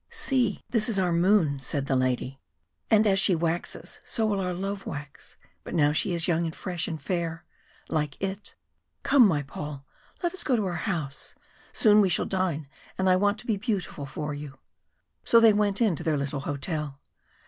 "See, this is our moon," said the lady, "and as she waxes, so will our love wax but now she is young and fresh and fair, like it. Come, my Paul. Let us go to our house; soon we shall dine, and I want to be beautiful for you." So they went in to their little hotel.